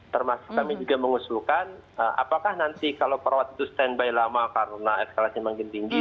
termasuk kami juga mengusulkan apakah nanti kalau perawat itu standby lama karena eskalasi makin tinggi